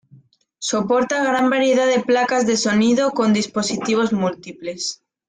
Soporta gran variedad de placas de sonidos con dispositivos múltiples.